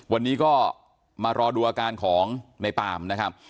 วันนี้ก็มารอดูอาการของในปามนะครับ